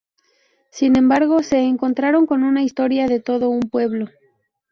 Sin embargo, se encontraron con una historia de todo un pueblo.